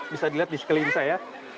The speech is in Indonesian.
bisa dilihat di sekeliling saya